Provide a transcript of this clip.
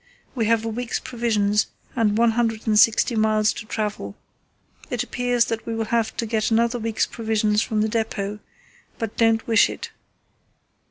We have a week's provisions and one hundred and sixty miles to travel. It appears that we will have to get another week's provisions from the depot, but don't wish it.